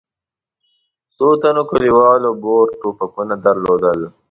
څو تنو کلیوالو بور ټوپکونه درلودل.